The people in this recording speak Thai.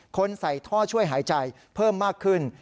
คนใส่ท่อช่วยหายใจเพิ่มมากขึ้น